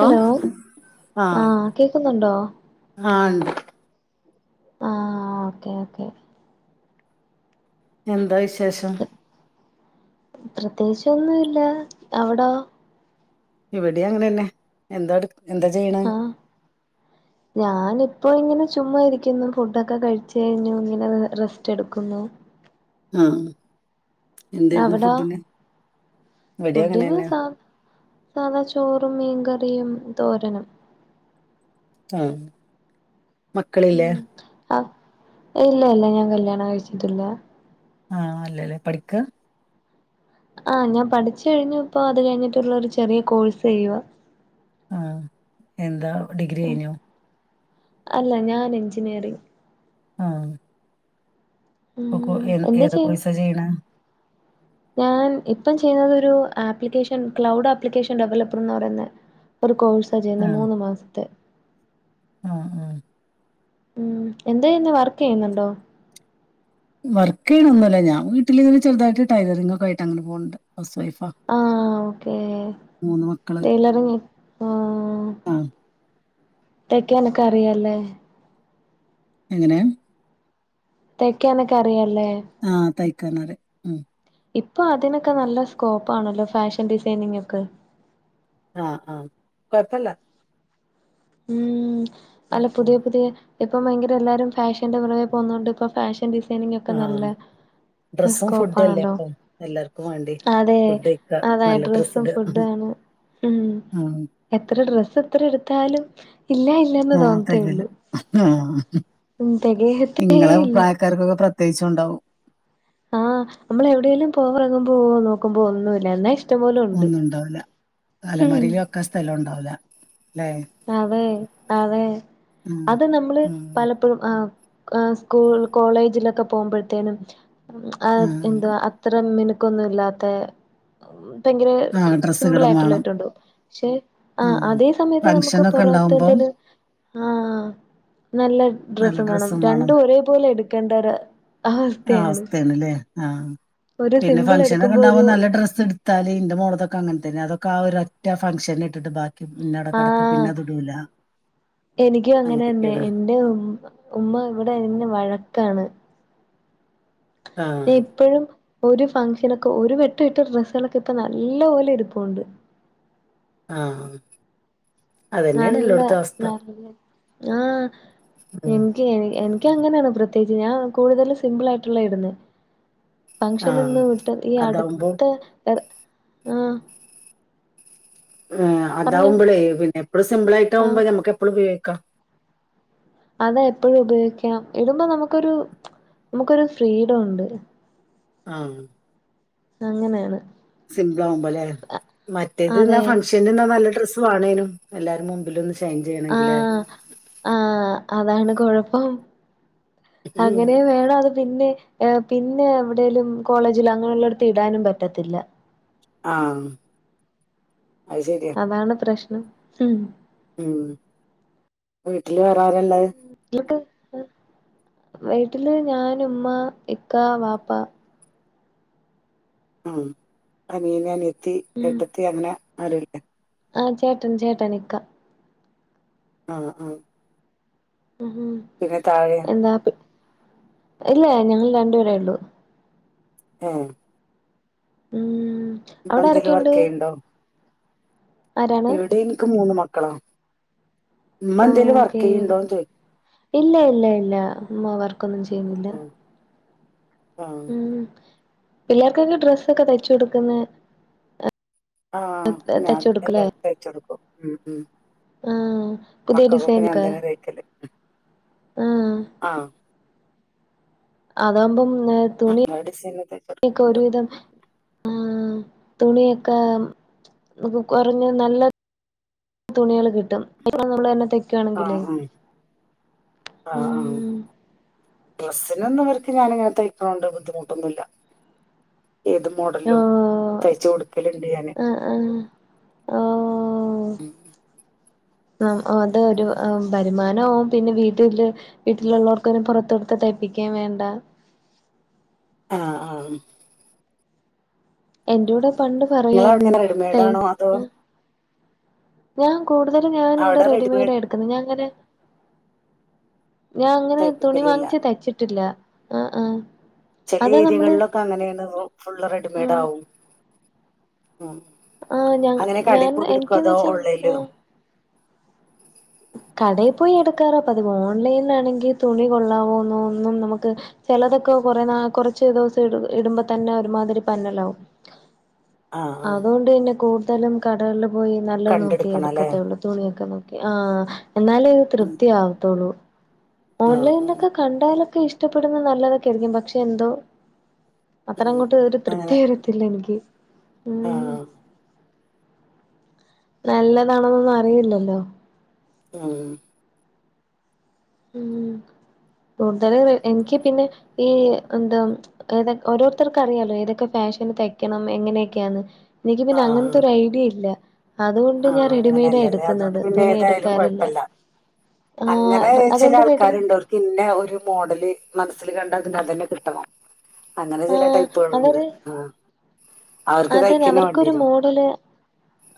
Hello ആഹ കേക്കുന്നുണ്ടോ ആണ്ട് ആഹ ഓക്കെ ഓക്കെ എന്താ വി ശേഷം പ്രത്യേകിച്ചൊന്നും ഇല്ല എവിടാ ഇവിടെ അങ്ങനെന്നെ എന്താടുക്ക ആഹ ഞാനിപ്പോ ഇങ്ങനെ ചുമ്മാ ഇരിക്കുന്നു ഫുഡൊക്കെ കഴിച്ച കഴിഞ്ഞു ഇങ്ങനെ റെസ്റ്റ് എടുക്കുന്നു ആഹ എന്തായിരുന്നു അവിടോ ഫുഡിന് ഇവിടെ ഫുഡിന് അങ്ങനെന്നെ സാ സാധാ ചോറും മീൻകറിയും തോരണം ഉം മക്കളില്ലേ ആഹ ഇല്ല ഇല്ല ഞാൻ കല്യാണം കഴിച്ചിട്ടില്ല ആഹ അല്ലേല്ലേ പഠിക്ക ആഹ ഞാൻ പഠിച്ചു കഴിഞ്ഞു ഇപ്പോൊ അത് കഴിഞ്ഞിട്ടുള്ള ഒരു ചെറിയ കോഴ്സ് ചെയ്യുക ആഹ എന്താ ഡിഗ്രി കഴിഞ്ഞു അല്ല ഞാൻ എഞ്ചിനീയറിങ് ആഹ ക്കൊ ഉം എ എന്താ ഏത് ചെയ്യ് കോഴ്സാ ചെയ്യ്ണെ ഏതാണെന്നൊരു application cloud application developer എന്ന് പറയുന്ന ഒരു കോഴ്സ് സജയുന്ന മൂന്ന് മാസത്തെ ആ ആ ഉം എന്തായ്ന്നെ വർക്ക് ചെയ്യുന്നുണ്ടോ വർക്ക് ചെയ്യണ ഒന്നുല്ല ഞാ വീട്ടിൽ ഇങ്ങനെ ചെറുതായിട്ട് ടൈലറിങ്ങക്ക ആയിട്ട് അങ്ങനെ പോകണ്ട് ഹൗസ് വൈഫാ ആഹ് ഓക്കേ മൂന്ന് മക്കള് ടൈലറിങ് ആ തേക്കനക്ക അറിയല്ലേ എങ്ങനെ തെക്കാനൊക്കെ അറിയാലോ ആ തയ്ക്കാനരെ ഉം ഇപ്പൊ അതിനൊക്കെ നല്ല സ്കോപ്പ്ാണല്ലോ ഫാഷൻ ഡിസൈനിങ് ഒക്കെ ആ ആ കൊയ്പ്പല്ല ഉം അല്ല അങ്ങനെ പുതിയ പോണ്ട് പുതിയ ഇപ്പം ഭയങ്കര എല്ലാരും ഫാഷന്റെ പുറകേ പോന്നൊണ്ട് ഇപ്പൊ ഫാഷൻ ഡിസൈനി ഒക്കെ ആഹ് നല്ല ഡ്രസ്സും സ്കോപ്പ ഫുഡും അല്ലേ ആണല്ലോ ഇപ്പം എല്ലാവർക്കും വേണ്ടി അതെ ഫുഡ് കഴിക്കുക അത നല്ല ഡ്രസ് ഡ്രസ്സും ഇടുക ഫുഡഡുംണ് ഉം. എത്ര ഡ്രസ് എത്ര എടുത്താലും ഇല്ല ഇല്ലന്ന് ആ തോന്നത്തേ തകല് ഉള്ളൂ ആ ഉം തികയത്തേ ഇങ്ങളെ ഇല്ല പ്രായക്കാർക്കൊക്കെ പ്രത്കേച്ചുണ്ടാവും ആ നമ്മൾ എവിടെയെലും പോവറങ്ങുമ്പോ നോക്കുമ്പോ ഒന്നുല്ല ല്ലേ ഒന്നും ഉണ്ടാവില്ല ഉം അലമാരയിലൊക്കെ സ്ഥലം ഉണ്ടാവില്ല അല്ലേ അതെ അതെ ഉം. അത് നമ്മള് ഉം. പലപ്പോഴും ആ ആ സ്കൂൾ കോളേജിലൊക്കെ പോമ്പോഴത്തേനും ഉം. എന്തവാ അത്ര മിന കൊന്നുല്ലാത്ത ഭയങ്കര ആ ഡ്രസ്സുകളും സിംമ്പിളട്ടൊള്ളായിട്ടൊള്ള വേണം ഇട്ടോണ്ട് പോ പക്ഷെ ആ അതേ സമയത്ത് നമ ഫങ്ഷൻ ഒക്കെ ഉണ്ടാവുമ്പം ഓറോത്തര്ടത് ആ നല്ല നല്ല വേണം ഡ്രസ്സും വാണം. രണ്ടും ഒരേപോലെ എടുക്കേണ്ട ഒരു ആ അവസ്ഥയാണ് അവസ്ഥേണ് ലേ. ആഹ്, ഒരു പിന്നെ സിമ്പിൾ ഫംഗഷനക്കെ ഉ എടുക്കുമ്പോ ഒരു ഇണ്ടാവുമ്പൊ നല്ല ഡ്രസ്സ് ഇട്ത്താല് ഇന്റെ മോള്ക്കൊക്കെ അങ്ങനെ തന്നെ. അതൊ ആ ഒറ്റ ഫംഗ്ഷൻ ഇട്ടിട്ട് ബ ആഹ് എനിക്കും അങ്ങനെന്നെ അങ്ങനെയൊക്കെയാണ് എന്റെ ഉ ഉമ്മ ഇവിടെ എന്നെ വഴക്കാണ്. നീ ആഹ് ഇപ്പഴും, ഒരു ഫംഗഷനൊക്കെ ഒരു വെട്ട ഇട്ട ഡസണൊക്കെ ഇപ്പ നല്ല പോോലെ എടുപ്പുണ്ട് ആ അതന്നെയയാണ് നല്ല എല്ലോടുത്തു അവസ്ഥ നല്ല ആഹ് ഉം എനിക്ക് എൻ എൺ നിക്ക് അങ്ങനെയാണ് പ്രത്യേകിച്ച് ഞാൻ കൂടുതലും സിമ്പിൾ ആയിട്ടുള്ള ഇടുന്നെ ആഹ് ഫങ്ഷൻന്ന് വിട്ട് ഈ അതാവുമ്പോ അടുത്ത ആഹ് പറഞ്ഞോ അതാവുമ്പോളേ പിന്നെ എപ്പും സിമ്പിൾ ആഹ് ആയിട്ടാവുമ്പോ നമ്മുക്ക് എപ്പളും ഉപയോഗി ക്ക അതെ എപ്പോഴും ഉപയോഗിക്കാം ഇടുമ്പോ നമുക്കൊരു നമുക്കൊരു ഫ്രീഡം ഉണ്ട് ആഹ് അങ്ങനെയാണ് സിമ്പിൾ ആവുമ്പോല്ലേ മറ്റേത് അതെ ഫൺഷന് ഇട്ന്ന നല്ല ഡ്രസ്സ് മാണേനും എല്ലാരിം മുമ്പിൽ ഒന്ന് ഷൈൻ ചെയ്യണെങ്കിലെ ആഹ് ആഹ് അതാണ് കൊഴപ്പം. ഉം അങ്ങനെ വേണ അത് പിന്നെ ഏഹ് പിന്നെ എവിടേലും കോളേജില് അങ്ങനെള്ളട്ത്ത് ഇടാനും പറ്റത്തില്ല. ആഹ് അത് ശരിയാ അതാണ് പ്രശ് നം ഹും ഉം വീട്ടില് വേറാരാ ഇള്ളത്? വീട്ടില് ഞാൻ ഉമ്മ ഇക്ക വാപ്പ. ആഹ് അനിയന് അനിയ ത്തി ഉം എട്ടത്തി അങ്ങനെ ആരൂല്ല്യേ? ആഹ് ചേട്ടൻ ചേട്ടൻ ഇക്ക. ആഹ് ആഹ് ഉഹും പിന്നെ താഴെയാ എന്താപ് ഇല്ല ഞങ്ങൾ രണ്ടുപേരേ ഉള്ളൂ. ഏഹ് ഉം ഉമ്മ അവടെ എന്തേലും വർക്ക് ആരൊക്കെയുണ്ട്? ചെയ്യണ്ടോ ആരാണ് ഇവിടെ എനിക്ക് മൂന്ന് മ ക്കണം. ഓക്കേ ഇല്ല ഇല്ല ഇല്ല ഉമ്മ വർക്കൊന്നും ചെയ്യുന്നില്ല. ആഹ [inaudible] [inaudible] ഉം പിള്ളേർക്കൊക്കെ ഡ്രസ്സൊക്കെ തയ്ച്ചു കൊടുക്കുന്ന ആഹ് ഞാൻ തയ്ച്ചു കൊടുക്കൂലേ എല്ലാർക്കും തേയ്ച്ച കൊടുക്കും ഉം ഉം ആഹ് പുതിയ മക്കക്കൊക്കെ ഡിസൈൻലൊക്കെ ഞാൻന്തന്നെ തയ്ക്കല് ആഹ് ആഹ് അതാകുമ്പം എല്ലാ ഡിസൈനും തയ്ച്ചു തുണിക്ക് കൊടുക്കുന്നുണ്ട് ഒരുവിധം ആ തുണിയൊക്കെ കുറഞ്ഞ നല്ല തുണികള് കിട്ടും ഇപ്പം നമ്മള് തൈ ക്കുവാണെങ്കിലേ ആഹ് ആഹ് ആഹ് ആഹ് ഉം ഡ്രസ്സിനൊന്നും ഇർക്ക് ഞാനിങ്ങനെ തയ്ക്കണണ്ട് ബുദ്ധിമുട്ടൊന്നുമില്ല ഏത് മോഡലും ഓഹ് തയ്ച്ച കൊടുക്കലുണ്ട് ഞാന് ആഹ് ആഹ് ന അത് ഒരുർ വരുമാനമാവും പിന്നെ വീട്ടില് വീട്ടിലുള്ളവർക്ക് പുറത്ത്ടുത്ത് തയ്പ്പിക്കാൻ വേണ്ട ആഹ് ആ എൻന്റെറ കൂടെ പണ്ട് പറയായിരുന്നു നിങ്ങളവിടെങ്ങനെ തൈ റെഡിമെയ്ഡാണോ അതോ ഞാൻ കൂടുതലും ഞാൻ ഇവിടെ അവിടെ റെഡിമെയ്ഡ റെഡിമെയ്ഡ് എടുക്കുന്നത് ഞാൻ അങ്ങനെ ഞാൻ അങ്ങനെ തുണി തയ്പ്പിക്കലില്ല വാങ്ങിച്ച തച്ചിട്ടില്ല ആ ആഹ ചില അതാ നമ്മള് ഏരിയകളിലൊക്കെ അങ്ങനെയാണ് ഫുള്ള് റെഡിമെയ്ഡ് ആഹ് ആവും ഉം ആഹ് ഞാ അങ്ങനെ കടയിൽ ഞാൻ പോയി എടുക്കോ എനിക്കന്ന് അതോ വെച്ചാ ഓൺലൈനിലോ ആ കടയിൽ പോയി എടുക്കാറപ്പതി ഓൺലൈനിലാണെങ്കിൽ തുണി കൊള്ളാവോന്നോ ഒന്നും നമുക്ക് ചെിലതൊക്കെ കൊറേ നാ കൊറച്ച് ദിവസം ഇടുമ്പോ തന്നെ ഒരുമാതിരി പന്നലാവും ആഹ് ആഹ് അതുകൊണ്ട് തന്നെ കൂടു തലും കടകള് പോയി നല്ലത് നോക്കി കണ്ടെടുക്കണം അല്ലേ എടുക്കത്തേ ഉള്ളൂ തുണിയൊക്കെ നോക്കി ആഹ് എന്നാലേത് ആഹ് തൃപ്തി ആവത്തോള്ളൂ ആഹ് ഓൺലൈൻ ഉം ഒക്കെ കണ്ടാലും ക്കെ ഇഷ്ടപ്പെടുന്നത് നല്ലതൊക്കെ ആയിരിക്കും പക്ഷെ എന്തോ അത്രന ഉം. അങ്ങോട്ട് ഒരു അങ്ങനെ തൃപ്തി വരത്തില്ല എനിക്ക് ഉം ആഹ് നല്ലതാണെന്നൊന്നും അറിയില്ലല്ലോ ആ ഉ കൂടുതല എനിക്ക് പിന്നെ ഈ എന്താ ഏതൊ ഓരോരുത്തർക്ക്ും അറിയാലോ ഏതൊക്കെ ഫാഷന് തെക്കണം എങ്ങനെയൊക്കെയാണ് എനിക്ക് പിന്നെ ആഹ് അങ്ങനത്തെ ഒരു ഐഡിയ ഇല്ല അതുകൊണ്ട് ഞാൻ ആഹ് റെഡിമെയ്ഡാ അങ്ങനെയല്ലല്ലേ അതുകൊണ്ട് എടുക്കുന്നത് പിന്നെ തുണി ഏതായാലും എടുക്കാറില്ലേ കുഴപ്പമില്ല ആ അങ്ങനെ ചില അതുകൊണ്ട് റെഡി ആൾക്കാര്ണ്ട് ഓർക്ക് ഇന്ന ഒരു മോഡല് മനസ്സില് കണ്ടാ ഇന്നതന്നെ കിട്ടണം. അങ്ങനെ ആ ചെല ടൈപ്പുകള്ണ്ട് ആ അവർക്ക് അതെ നെ തയ്ക്കന്നെ വേണ്ടി അവർക്കൊരു വരും മോഡല്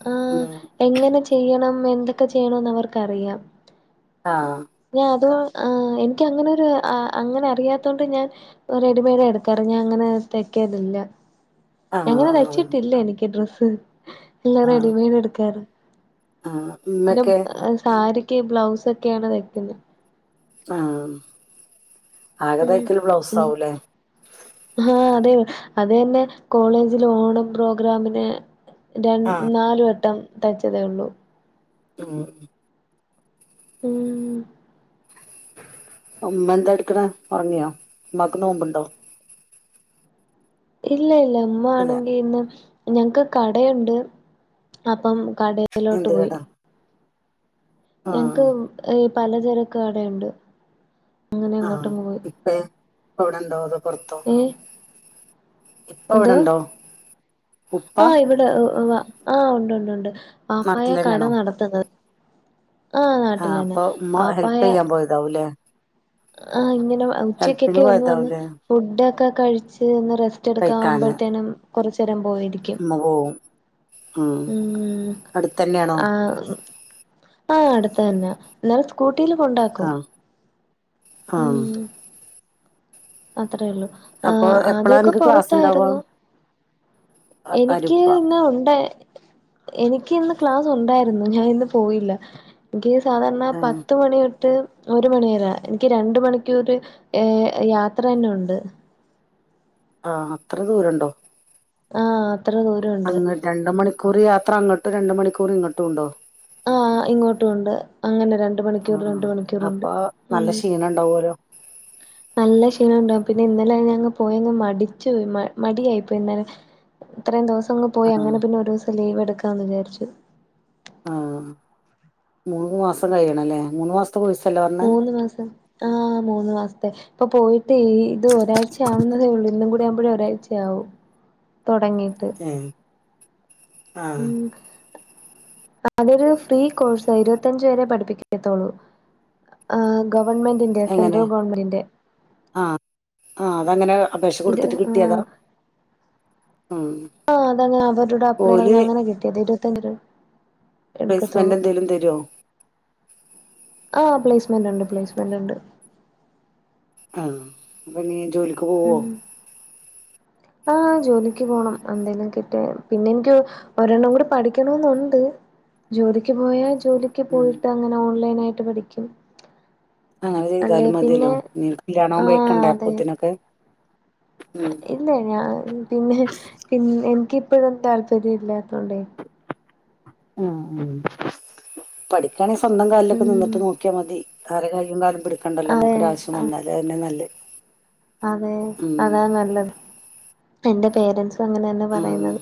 ആ ഉം എങ്ങനെ ചെയ്യണം എന്തൊക്കെ ചെയ്യണോന്ന് അവർക്കറിയാം. ആഹ് ഇഞ്ഞതു ആ എനിക്ക് അങ്ങനൊരു അങ്ങനെ അറിയാത്തോണ്ട് ഞാൻ റെഡിമെയ്ഡാ എടുക്കാറ്. ഞാൻ അങ്ങനെ തെയ്ക്കലില്ല ആഹ് എങ്ങനെ ആഹ് തച്ചിട്ടില്ല എനിക്ക് ഡ്രസ്സ് എല്ലാം റെഡിമെയ്ഡ് എട്ക്കാറ്. ആ ഇമ്മെക്കെ ക്ക് ബ്ലൗസ് ഒക്കെയാണ് വെക്ക്ന്നെ ആ ആകെ തയ്ക്കെൽ ബ്ലൗസ് ആവുലെ ആ അതെ അത് യെന്നെ കോളേജിൽ ഓണ പ്രോഗ്രാമിന് രൺ ആഹ് നാലുവട്ടം തയ്ച്ചെതേ ഉള്ളു ഉം ഉം ഉമ്മ എന്താ എട്ക്ക്ണെ ഒറങ്ങിയോ ഉമ്മാക്ക് നോമ്പ് ഇണ്ടോ? ഇല്ല ഇല്ല ഉമ്മ ഇല്ല ആണെങ്കി ഇന്ന് ഞങ്ങക്ക് കടയുണ്ട് അപ്പം കടയിലോട്ട് എന്ത് പോയി കടാ ആഹ് യെനിക്ക് ഏ പല ചെരക്ക് കടയുണ്ട് അങ്ങനെ ആ അങ്ങോട്ടും പോയി ഇപ്പെ ഇപ്പ ഇവടെ ഇണ്ടോ അതോ പൊർത്തോ ഏ എന്തോ ഉപ്പ ആ ഇവിടെ വ ആഹ് ഉണ്ട്ണ്ട് ണ്ട് വാപ്പായ നാട്ടിൽ കട തന്നെയാണോ നടത്ത്ന്നത് ആ അപ്പൊ ഉമ്മ ഹെൽപ് വാപ്പായ ചെയ്യാൻ പോയതാവൂല്ലേ ആഹ് ഇങ്ങനെ നെ ഉച്ചക്കൊക്കെ ഒന്ന് വന്ന് പോയതാവൂലേ ഫുഡ് ഒക്കെ കഴിച്ച് ന്ന് റെസ്റ്റ് എടുക്കാ ആവുമ്പഴ്ത്തേനും കുറച്ചെരം ഇമ്മ പോവും ഉം ഉം അടുത്തന്നേണോ. ആഹ് ആഹ് അടുത്ത് തന്നാ ന്നാലും സ്കൂ ട്ടില് കൊണ്ടാക്കും. ആഹ് അത്രേയൊള്ളൂ ഏഹ് എപ്പളാ ആദ്യൊക്കെ അനക്ക് ക്ലാസ് ഉണ്ടാവ പൊറത്തായിരുന്നു. എനിക്ക് അരുപ്പ ഇന്ന് ഉണ്ട എനിക്ക് ഇന്ന് ക്ലാസ്സ് ഉണ്ടായിരുന്നു ഞാൻ ഇന്ന് പോയില്ല. ഇൻക്ക്യ് സാധാരണ ആ പത്ത് മണി തൊ ട്ട് ഒരു മണി വരാ എനിക്ക് രണ്ട് മണിക്കൂർ ഏഹ് യാ ത്രന്നുണ്ട്. ആഹ് അത്ര ദൂരംണ്ടോ? ആഹ് അത്ര ദൂരമുണ്ട് അങ്ങ് രണ്ട് മണിക്കൂറ് യാ ത്ര അങ്ങട്ടും രണ്ട് മണിക്കൂറ് ഇങ്ങട്ടും ഉണ്ടോ? ആഹ് ഇങ്ങോട്ടും ഉണ്ട് അങ്ങനെ രണ്ട് ആ മണിക്കൂർ ആ രണ്ട് മണിക്കൂറുണ്ട് അപ്പൊ നല്ല ഉം ക്ഷീണം ഉണ്ടാവുമല്ലോ നല്ല ക്ഷീണണ്ടാവും പിന്നെ ഇന്നലെ ഞങ് പോയങ് മടിച്ചു പോയി മ മടിയായിപ്പോയി ഇന്നലെ ഇത്രയും ദിവസ് അങ് ആ പോയി അങ്ങനെ പിന്നെ ഒരൂസം ലീവ് എടുക്കാന്ന് വിചാരിച്ചു. ആഹ് മൂന്ന് മാസം കഴിയണംല്ലേ മൂന്ന് മാസ മൂന്ന് മാസം ആഹ് മൂന്ന് മാസത്തെ ഇപ്പൊ പോയി ത്തീ ഇത് ഒരാഴ്ച ആവുന്നതേ ഒള്ളൂ ഇന്നും കൂട് ആവുമ്പഴ് ഒരാഴ്ചയാവും. തൊടങ്ങീട്ട് ആഹ് അതൊരു ഫ്രീ കോഴ്സാ ഇരുവത്തഞ്ച് വേരെ പഠിപ്പിക്കത്തോളൂ ആ ഗവൺമെൻ്റിന്റെ എങ്ങനെ സെൻട്രൽ ഗവൺമെൻ്റിന്റെ ആഹ് അതങ്ങനെ അപേക്ഷ ഇത് കൊടുത്തിട്ട് കിട്ടിയതാ ആഹ് ആ ആഹ് അതെങ്ങനെ അവരുടെ അപ്ളേ ഓല് പറഞ്ഞ് അങ്ങനെ കിട്ടിയത് തന്ന പ്ലേസ്മെന്റ് എടുക്കത്തോളു എന്തേലും തരോ ആ പ്ലേസ്മെന്റ് ഒണ്ട് പ്ലേയിസ്മെന്റൊണ്ട്. ആ അപ്പനീ ജോലിക്ക് പോവോ? ആ ജോലിക്ക് പോണം എന്തങ്കിലും കിട്ടിയ പിന്നെ എനിക്ക് ഒരെണ്ണം കൂടി പഠിക്കണന്നുണ്ട് ജോലിക്ക് പോയാ ജോലിക്ക് ഉം പോയിട്ടങ്ങനാ ഓൺലൈനായിട്ട് പഠിക്കും. അങ്ങനെ അല്ലെ ചെയ്താലും മതിയല്ലോ പിന്നെ നീ ആ കല്യാണവും കഴിക്കണ്ടേ അതെ അപ്പത്തിനൊക്കെ ഇല്ലേ ഞാൻ പിന്നെ പിൻ യെനിക്ക് പ്പ ഇതും താല്പര്യല്ലാത്തോണ്ടേ. ആ ഉം പഠിക്ക ണെ സ്വന്തം കാൽലൊക്കെ ഉം നിന്നട്ട് നോക്കിയാ മതി. കൊറേ കഴിയുമ്പത് എടുക്കണ്ടല്ലോ അതെ മ്മകൊരാവശ്യം വന്നാൽ അതന്നെ നല്ലത്. അതെ അതാ നല്ലത്. പ്പന്റെ പേരെന്റ്സ് അങ്ങനെന്നെ ആ പറയുന്നത്.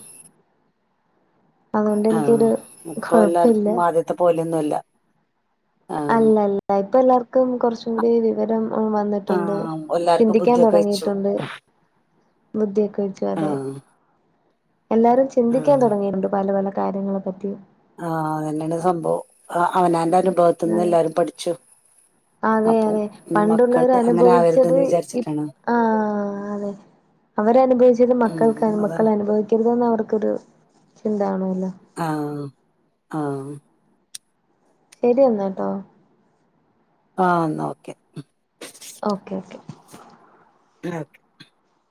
അതുകൊണ്ട് ആ എനിക്കൊരു കൊഴപ്പില്ല. യൊന്നുല്ല. അല്ലല്ലത് ഇപ്പ എല്ലാർക്കും കൊറച്ചും കൂടി വിവരം ഉം ആ വന്നിട്ടുണ്ട് എല്ലാർക്കും ചിന്തിക്കാൻ ബുദ്ധിയൊക്കെ വെച്ചു തൊടങ്ങിയിട്ടുണ്ട് ബുദ്ധിയൊക്കെ വച്ചു ആ അതെ. എല്ലാരും ആ ചിന്തിക്കാൻ തൊടങ്ങിയിട്ടുണ്ട് പല പല കാര്യങ്ങളെപ്പറ്റി. ആ അതന്നെയാണ് സംഭവം അവനാന്റെ അനുഭവത്തിന്ന് അതെ എല്ലാരും പഠിച്ചു അതെ അപ്പം അതെ ഇനി പണ്ടുള്ളവര് മക്കള് അങ്ങനെ അനുഭവിച്ചത് ആവരുതെന്ന് ഇപ് വിചാരിച്ചിട്ടാണ് ആ അതെ അവരനുഭവിച്ചത് മക്കൾക്ക് ഉം മക്കൾ അതാണ് അനുഭവിക്കരുതെന്ന് അവർക്കൊരു ച്ചെന്താണോ ആ ആ ശരിയന്നാട്ടോ. ആ ന്നാ ഓക്കെ. Okay okay. [unintelligible]